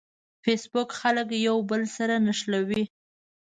فېسبوک خلک یو بل سره نښلوي